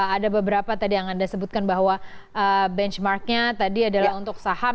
ada beberapa tadi yang anda sebutkan bahwa benchmarknya tadi adalah untuk saham